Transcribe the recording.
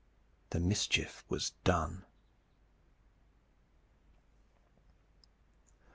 The mischief was done.